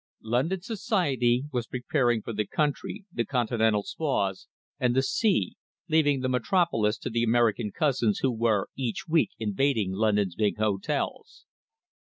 London Society was preparing for the country, the Continental Spas, and the sea, leaving the metropolis to the American cousins who were each week invading London's big hotels.